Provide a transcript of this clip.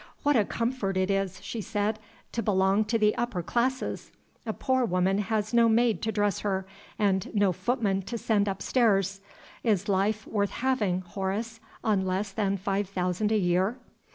"What a comfort it is," she said, "to belong to the upper classes! A poor woman has no maid to dress her, and no footman to send upstairs. Is life worth having, Horace, on less than five thousand a year?"